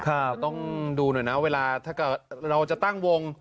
ต้องดูหน่อยนะเวลาถ้าเกิดเราจะตั้งวง